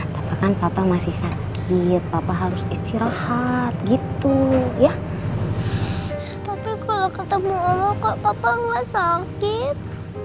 papa kan papa masih sakit papa harus istirahat gitu ya tapi kalau ketemu allah kok papa gak sakit